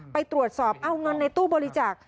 ไปตรวจสอบเอาเงินในตู้บริจาค